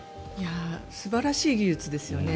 素晴らしい技術ですね。